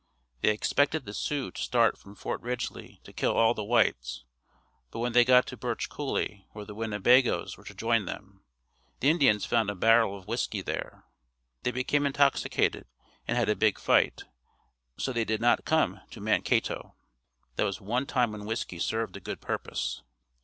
They expected the Sioux to start from Fort Ridgely to kill all the whites, but when they got to Birch Coolie where the Winnebagoes were to join them, the Indians found a barrel of whiskey there. They became intoxicated and had a big fight, so they did not come to Mankato. That was one time when whiskey served a good purpose.